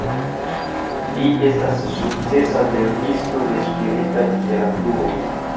Li estas sukcesa verkisto de spirita literaturo.